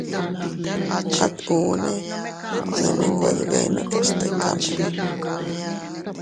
At unne mene nwe dbenotos tikamene.